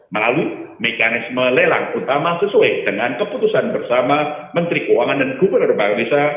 melalui mekanisme lelang utama sesuai dengan keputusan bersama menteri keuangan dan gubernur bank indonesia